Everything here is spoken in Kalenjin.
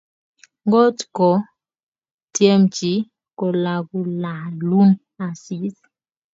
Ngot ko tyem chii kkong'allaalun isis.